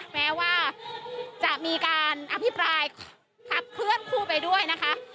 แม้ว่าจะมีการอภิปรายพักเคลื่อนคู่ไปด้วยนะคะ